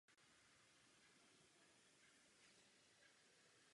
Vojenský potenciál Irska je poměrně skromný.